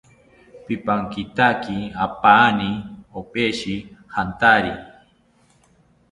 Pipankitaki apaani opeshi jantari